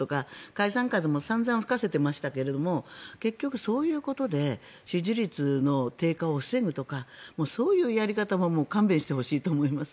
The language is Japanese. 解散風も散々吹かせていましたが結局、そういうことで支持率の低下を防ぐとかそういうやり方は勘弁してほしいと思います。